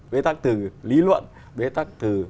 bế tắc từ lý luận bế tắc từ